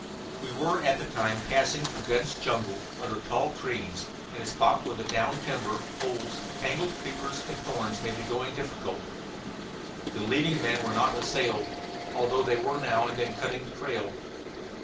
We were at the time passing through dense jungle, under tall trees, in a spot where the down timber, holes, tangled creepers, and thorns made the going difficult. The leading men were not assailed, although they were now and then cutting the trail.